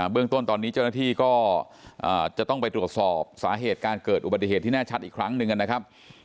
เรื่องต้นตอนนี้เจ้าหน้าที่ก็จะต้องไปตรวจสอบสาเหตุการเกิดอุบัติเหตุที่แน่ชัดอีกครั้งหนึ่งนะครับ